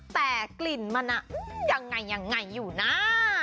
แต่กลิ่นมันอ่ะยังไงอยู่น่า